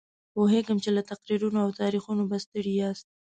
پوهېږم چې له تقریرونو او تاریخونو به ستړي یاست.